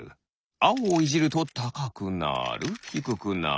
あおをいじるとたかくなるひくくなる